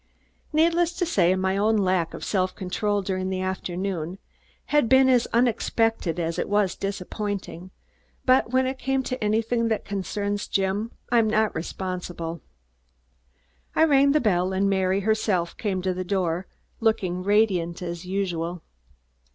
Needless to say, my own lack of self control during the afternoon had been as unexpected as it was disappointing, but when it comes to anything that concerns Jim, I'm not responsible. I rang the bell and Mary, herself, came to the door, looking radiant as usual.